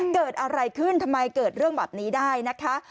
เกิดอะไรขึ้นทำไมเกิดเรื่องแบบนี้ได้นะคะ